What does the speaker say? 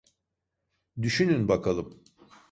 Düşünün bakalım!